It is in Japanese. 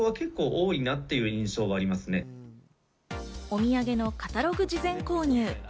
お土産のカタログ事前購入。